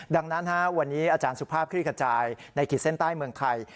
ดังนั้นวันนี้อาจารย์สุภาพคลี่ขจายในขีดเส้นใต้เมืองไทย